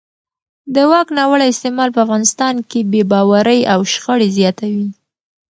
د واک ناوړه استعمال په افغانستان کې بې باورۍ او شخړې زیاتوي